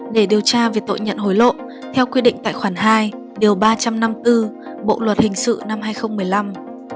để điều tra về tội nhận hối lộ theo quy định tài khoản hai điều ba trăm năm mươi bốn bộ luật hình sự năm hai nghìn một mươi năm